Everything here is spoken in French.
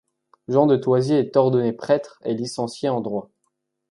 Jean de Thoisy est ordonné prêtre et licencié en droit.